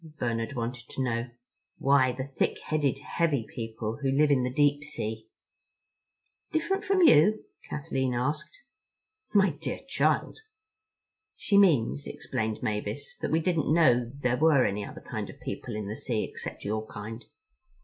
Bernard wanted to know. "Why, the thick headed, heavy people who live in the deep sea." "Different from you?" Kathleen asked. "My dear child!" "She means," explained Mavis, "that we didn't know there were any other kind of people in the sea except your kind."